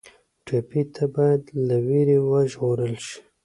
ټپي ته باید له وېرې وژغورل شي.